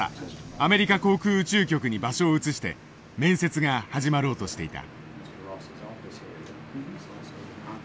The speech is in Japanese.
アメリカ航空宇宙局に場所を移して面接が始まろうとしていた。